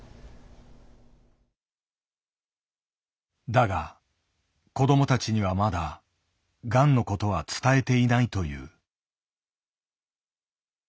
だが子どもたちにはまだがんのことは伝えていないという。